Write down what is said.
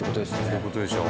そういう事でしょ。